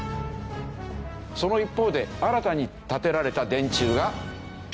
その一方で新たに立てられた電柱が。